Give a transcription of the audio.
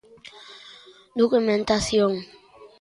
Documentación.